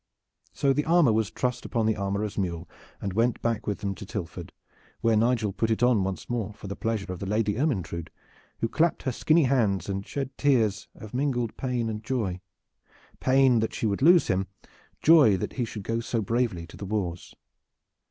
So the armor was trussed upon the armorer's mule and went back with them to Tilford, where Nigel put it on once more for the pleasure of the Lady Ermyntrude, who clapped her skinny hands and shed tears of mingled pain and joy pain that she should lose him, joy that he should go so bravely to the wars.